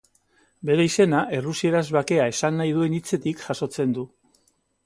Bere izena errusieraz bakea esan nahi duen hitzetik jasotzen du.